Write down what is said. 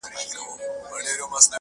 په دومره سپینو کي عجیبه انتخاب کوي.